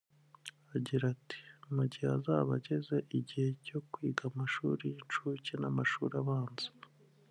Agira ati “Mu gihe azaba ageze igihe cyo kwiga amashuri y’inshuke n’amashuri abanza